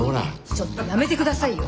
ちょっとやめて下さいよ。